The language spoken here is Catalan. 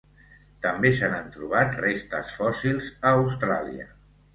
També se n'han trobat restes fòssils a Austràlia.